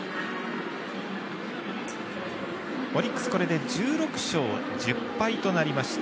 オリックス、これで１６勝１０敗となりました。